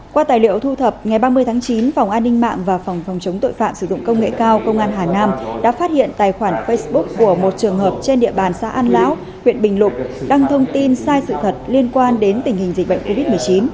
qua tài liệu thu thập ngày ba mươi tháng chín phòng an ninh mạng và phòng phòng chống tội phạm sử dụng công nghệ cao công an hà nam đã phát hiện tài khoản facebook của một trường hợp trên địa bàn xã an lão huyện bình lục đăng thông tin sai sự thật liên quan đến tình hình dịch bệnh covid một mươi chín